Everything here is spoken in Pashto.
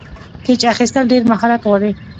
کېچ اخیستل ډېر مهارت غواړي.